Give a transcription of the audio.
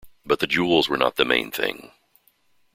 But the jewels were not the main thing.